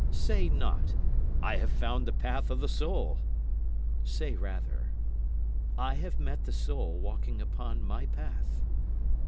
Say not, "I have found the path of the soul." Say rather, "I have met the soul walking upon my path."